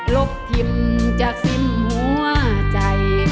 ลบทิมจากสิ้นหัวใจ